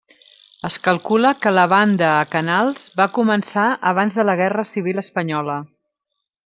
Es calcula que la banda a Canals va començar abans de la Guerra civil espanyola.